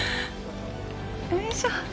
よいしょ。